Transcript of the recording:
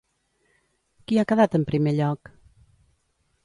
Qui ha quedat en primer lloc?